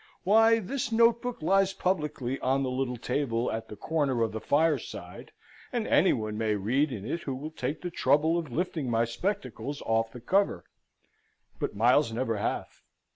Why, this notebook lies publicly on the little table at my corner of the fireside, and any one may read in it who will take the trouble of lifting my spectacles off the cover: but Miles never hath.